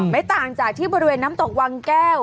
ไม่ต่างจากที่บริเวณน้ำตกวังแก้ว